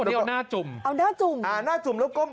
เอาหน้าจุ่ม